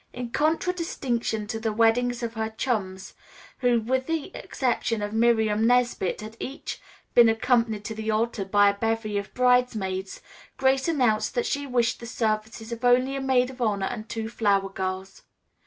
In contradistinction to the weddings of her chums, who with the exception of Miriam Nesbit had each been accompanied to the altar by a bevy of bridesmaids, Grace announced that she wished the services of only a maid of honor and two flower girls.